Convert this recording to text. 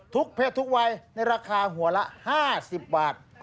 เพศทุกวัยในราคาหัวละ๕๐บาท